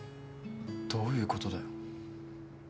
どういうことだよ？